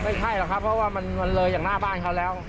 ไม่ใช่หรอกครับเพราะว่ามันเลยจากหน้าบ้านเขาแล้ว